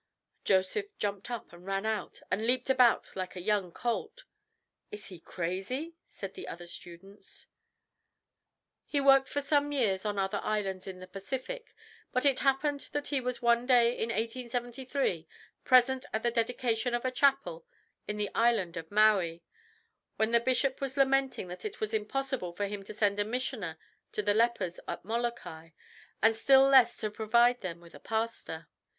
Joseph jumped up, and ran out, and leaped about like a young colt. "Is he crazy?" said the other students. He worked for some years on other islands in the Pacific, but it happened that he was one day in 1873 present at the dedication of a chapel in the island of Maui, when the bishop was lamenting that it was impossible for him to send a missioner to the lepers at Molokai and still less to provide them with a pastor.